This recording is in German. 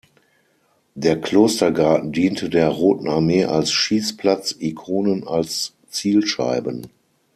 Der Klostergarten diente der Roten Armee als Schießplatz, Ikonen als Zielscheiben.